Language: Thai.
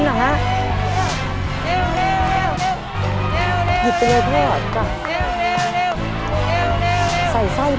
เร็วเร็ว